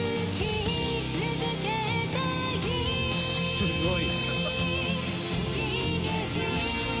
すごい！